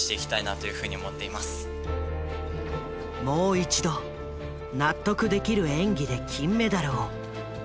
もう一度納得できる演技で金メダルを。